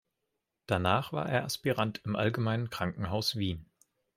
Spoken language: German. Danach war er Aspirant im Allgemeinen Krankenhaus Wien.